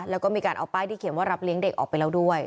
แล้วก็มีการเอาป้ายที่เขียนว่ารับเลี้ยงเด็กออกไปแล้วด้วย